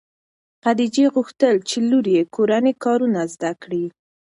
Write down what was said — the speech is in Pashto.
خدیجې غوښتل چې لور یې کورني کارونه زده کړي.